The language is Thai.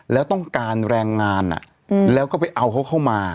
แล้วต้องการแรงงานแล้วก็ไปเอาเขาเข้ามา